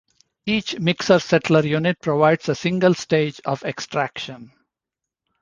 Each mixer-settler unit provides a single stage of extraction.